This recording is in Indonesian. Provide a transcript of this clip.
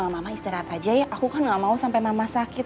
mama istirahat aja ya aku kan gak mau sampai mama sakit